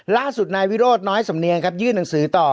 ล่าสุดนายวิโรธน้อยสำเนียงครับยื่นหนังสือต่อ